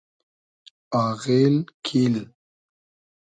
آغیل کیل